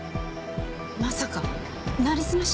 まさか成り済まし？